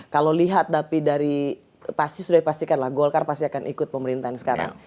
kalau lihat tapi dari pasti sudah dipastikan lah golkar pasti akan ikut pemerintahan sekarang